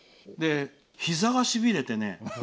ひざがしびれてね。